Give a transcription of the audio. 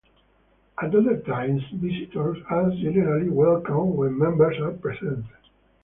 At other times, visitors are generally welcome when members are present.